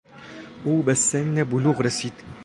او به سن بلوغ رسید.